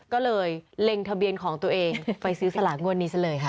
ก็เลยเล็งทะเบียนของตัวเองไปซื้อสลากงวดนี้ซะเลยค่ะ